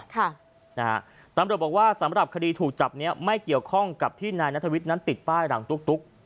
ตำรวจบอกว่าสำหรับคดีถูกจับเนี้ยไม่เกี่ยวข้องกับที่นายนัทวิทย์นั้นติดป้ายหลังตุ๊ก